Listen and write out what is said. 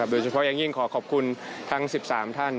โดยเฉพาะอย่างยิ่งขอขอบคุณทั้ง๑๓ท่าน